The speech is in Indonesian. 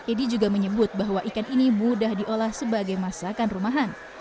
edi juga menyebut bahwa ikan ini mudah diolah sebagai masakan rumahan